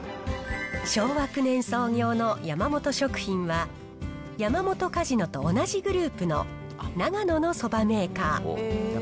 昭和９年創業の山本食品は、山本かじのと同じグループの長野のそばメーカー。